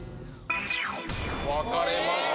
分かれました。